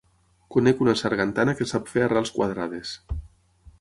Conec una sargantana que sap fer arrels quadrades.